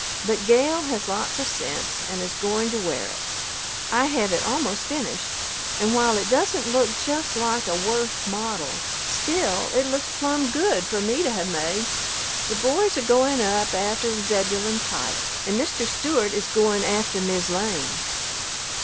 But Gale has lots of sense and is going to wear it. I have it almost finished, and while it doesn't look just like a Worth model, still it looks plumb good for me to have made. The boys are going up after Zebulon Pike, and Mr. Stewart is going after "Mis' Lane."